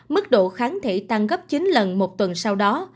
mức độ kháng thể tăng gấp chín lần một tuần sau đó